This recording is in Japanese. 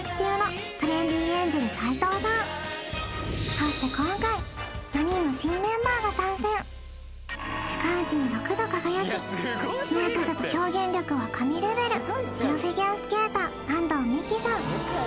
そして今回世界一に６度輝きしなやかさと表現力は神レベルプロフィギュアスケーター安藤美姫さん